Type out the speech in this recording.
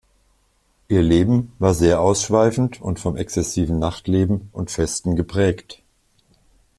Ihr Leben war sehr ausschweifend und vom exzessiven Nachtleben und Festen geprägt.